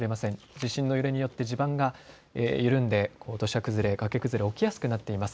地震の揺れによって地盤が緩んで土砂崩れ、崖崩れが起きやすくなっています。